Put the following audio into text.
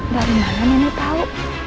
dari mana nenek tahu